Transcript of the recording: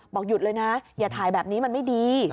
หยุดเลยนะอย่าถ่ายแบบนี้มันไม่ดี